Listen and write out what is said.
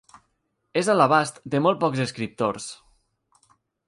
És a l'abast de molt pocs escriptors.